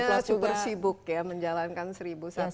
sementara ibunya supersibuk ya menjalankan seribu satu hal